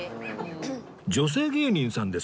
女性芸人さんです